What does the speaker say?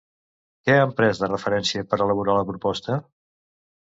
Què han pres de referència per elaborar la proposta?